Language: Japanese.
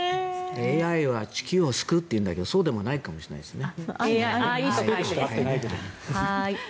ＡＩは地球を救うというけどそうでもないかもしれないですね。